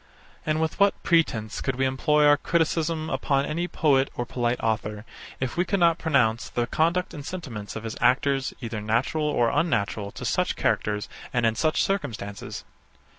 And with what pretence could we employ our criticism upon any poet or polite author, if we could not pronounce the conduct and sentiments of his actors either natural or unnatural to such characters, and in such circumstances?